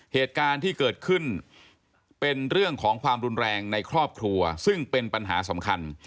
เหตุการณ์ที่เกิดขึ้นเป็นเรื่องของความรุนแรงในครอบครัวซึ่งเป็นปัญหาสำคัญ